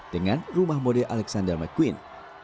dengan rumah model alexander mcquine